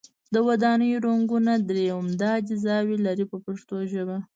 د ودانیو رنګونه درې عمده اجزاوې لري په پښتو ژبه.